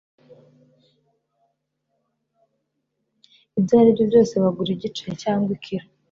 Ibyo ari byo byose bagura igice cyangwa ikiro